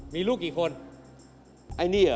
มีลูกกี่คน